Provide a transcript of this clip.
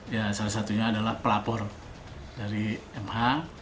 jadi salah satunya adalah pelapor dari mh